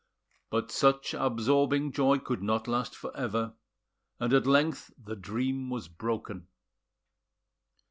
But such absorbing joy could not last for ever, and at length the dream was broken.